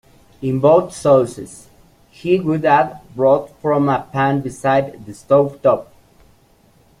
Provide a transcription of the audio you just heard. In both sauces, he would add broth from a pan beside the stove top.